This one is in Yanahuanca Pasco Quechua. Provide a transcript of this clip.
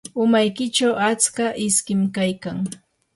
umaykichu atska iskim kaykan.